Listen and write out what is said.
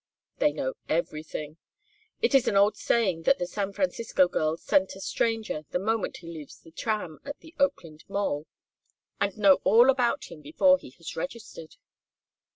"They know everything. It is an old saying that the San Francisco girls scent a stranger the moment he leaves the tram at the Oakland mole, and know all about him before he has registered.